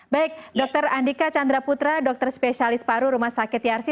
baik dokter andika chandraputra dokter spesialis paru rumah sakit yasi